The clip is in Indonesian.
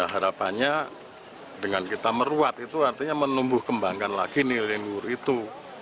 harapannya dengan kita meruat itu artinya menumbuh kembangkan lagi nilai luhur itu